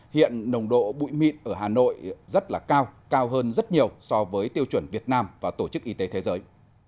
hiện nồng độ bụi mịn ở hà nội rất là cao cao hơn rất nhiều so với tiêu chuẩn việt nam và tổ chức y tế thế giới